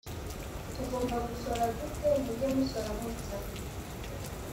tugomba gusora dute’ muge musora mutya.